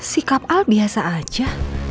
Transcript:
sikap al biasa aja